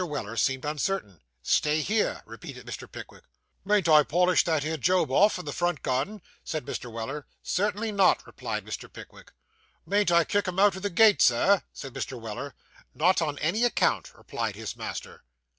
Weller seemed uncertain. 'Stay here,' repeated Mr. Pickwick. 'Mayn't I polish that 'ere Job off, in the front garden?' said Mr. Weller. 'Certainly not,' replied Mr. Pickwick. 'Mayn't I kick him out o' the gate, Sir?' said Mr. Weller. 'Not on any account,' replied his master.